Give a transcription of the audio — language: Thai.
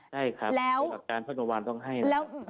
ใช่ครับโดยหลักการโรงพยาบาลต้องให้นะครับ